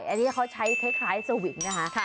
อันนี้เขาใช้คล้ายสวิงนะคะ